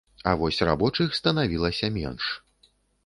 А вось рабочых станавілася менш.